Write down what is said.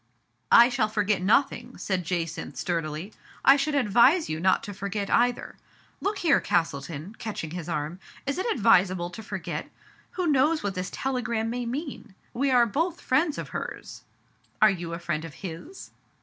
" I shall forget nothing," said Jacynth sturdily. " I should advise you not to forget either. Look here, Castleton," catching his arm, " is it advisa ble to forget ? Who knows what this telegram may mean ? We are both friends of hers." Are you a friend of kis